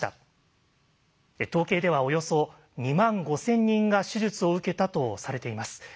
統計ではおよそ２万５，０００人が手術を受けたとされています。